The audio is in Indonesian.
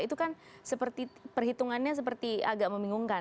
itu kan seperti perhitungannya seperti agak membingungkan